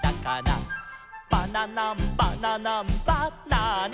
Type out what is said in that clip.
「バナナンバナナンバナナ」